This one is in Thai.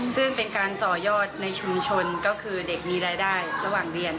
ซึ่งเป็นการต่อยอดในชุมชนก็คือเด็กมีรายได้ระหว่างเรียน